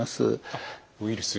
あっウイルス。